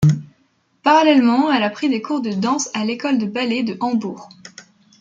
Parallèlement, elle a pris des cours de danse à l'école de ballet de Hambourg.